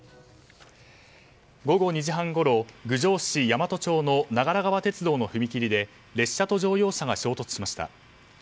午後２時半ごろ、郡上市大和町の長良川鉄道の踏切で列車と乗用車が衝突しました。